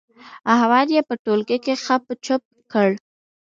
احمد يې په ټولګي کې خپ و چپ کړ.